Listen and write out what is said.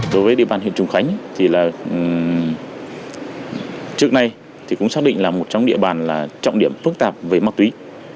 đối với địa bàn huyện trùng khánh trước nay cũng xác định là một trong địa bàn trọng điểm phức tạp với ma túy